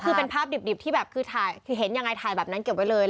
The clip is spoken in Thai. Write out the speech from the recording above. ก็คือเป็นภาพดิบที่แบบคือเห็นอย่างไรถ่ายแบบนั้นเก็บไว้เลย